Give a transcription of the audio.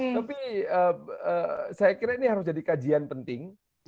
tapi saya kira ini harus jadi kajian penting